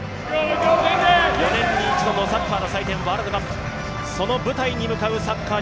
４年に１度のサッカーの祭典、ワールドカップ、その舞台に向かうサッカー